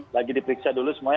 lagi diperiksa dulu semuanya